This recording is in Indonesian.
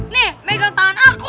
nih megang tangan aku